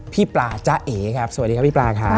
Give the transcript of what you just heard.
พี่ปลาจ๊ะเอ๋ครับสวัสดีครับพี่ปลาครับ